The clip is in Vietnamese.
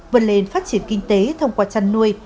vươn lên phát triển kinh tế thông qua chăn nuôi